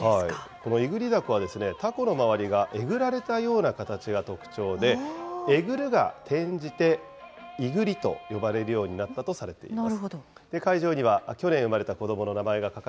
このいぐり凧はですね、たこの周りがえぐられたような形が特徴で、えぐるが転じていぐりと呼ばれるようになったとされています。